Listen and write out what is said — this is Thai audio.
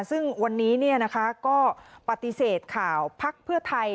ซึ่งวันนี้ก็ปฏิเสธข่าวภักดิ์เพื่อไทย